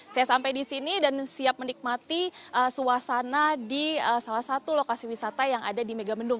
saya sampai di sini dan siap menikmati suasana di salah satu lokasi wisata yang ada di megamendung